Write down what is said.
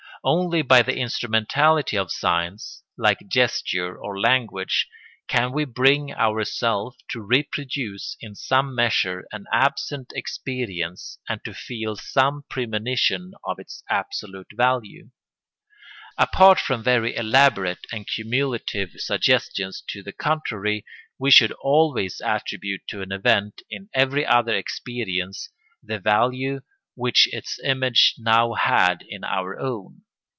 Only by the instrumentality of signs, like gesture or language, can we bring ourselves to reproduce in some measure an absent experience and to feel some premonition of its absolute value. Apart from very elaborate and cumulative suggestions to the contrary, we should always attribute to an event in every other experience the value which its image now had in our own.